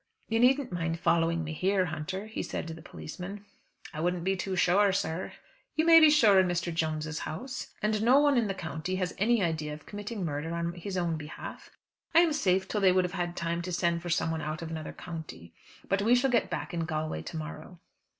"You needn't mind following me here, Hunter," he said to the policeman. "I wouldn't be too sure, sir." "You may be sure in Mr. Jones's house. And no one in the country has any idea of committing murder on his own behalf. I am safe till they would have had time to send for someone out of another county. But we shall be back in Galway to morrow."